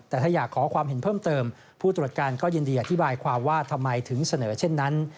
แต่ถ้าอยากขอความเห็นเพิ่มเติมผู้ตรวจการก็ยินดีอธิบายความว่าทำไมถึงเสนอเช่นนั้น